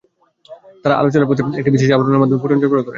তাঁরা আলোর চলার পথে একটি বিশেষ আবরণের মাধ্যমে ফোটন সরবরাহ করেন।